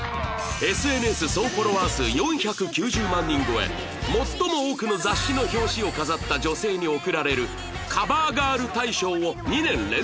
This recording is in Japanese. ＳＮＳ 総フォロワー数４９０万人超え最も多くの雑誌の表紙を飾った女性に贈られるカバーガール大賞を２年連続受賞